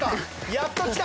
やっときた！